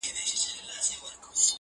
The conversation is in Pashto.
• دا د نغدو پیسو زور دی چي ژړیږي ,